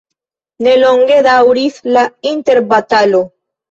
Ne longe daŭris la interbatalo.